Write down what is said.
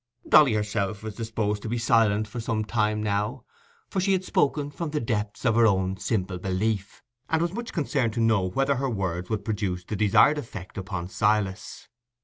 Dolly herself was disposed to be silent for some time now, for she had spoken from the depths of her own simple belief, and was much concerned to know whether her words would produce the desired effect on Silas.